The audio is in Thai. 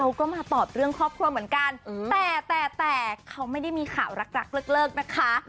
เขาก็มาตอบเรื่องครอบครัวเหมือนกันแต่แต่เขาไม่ได้มีข่าวรักเลิกนะคะ